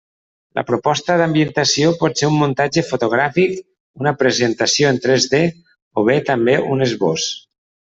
La proposta d'ambientació pot ser un muntatge fotogràfic, una presentació en tres D o bé també un esbós.